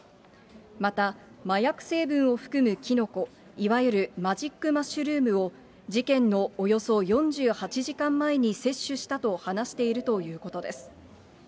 また、麻薬成分を含むキノコ、いわゆるマジックマッシュルームを、事件のおよそ４８時間前に摂取したと話しているということです。